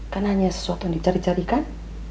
karena hanya sesuatu yang dicari carikan